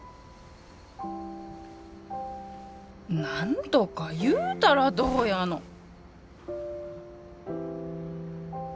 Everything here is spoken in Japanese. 何とか言うたらどうやの。